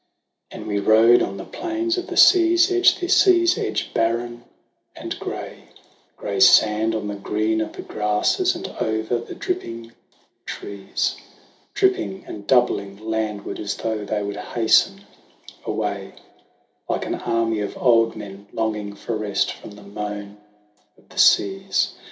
And we rode on the plains of the sea's edge ; the sea's edge barren and gray Gray sand on the green of the grasses and over the dripping trees, Dripping and doubling landward, as though they would hasten away THE WANDERINGS OF OISIN 123 Like an army of old men longing for rest from the moan of the seas.